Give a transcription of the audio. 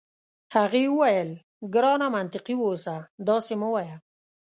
هغې وویل: ګرانه منطقي اوسه، داسي مه وایه.